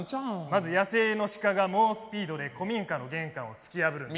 まず野生の鹿が猛スピードで古民家の玄関を突き破るんです。